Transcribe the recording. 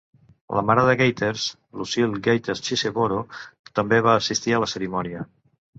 La mare de Gathers, Lucille Gathers Cheeseboro, també va assistir a la cerimònia.